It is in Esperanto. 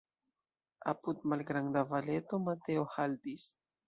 Apud malgranda valeto Mateo haltis.